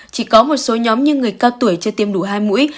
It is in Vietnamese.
chỉ có một số nhóm như người cao tuổi chưa tiêm đủ hai mũi